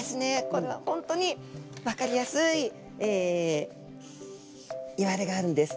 これは本当に分かりやすいいわれがあるんです。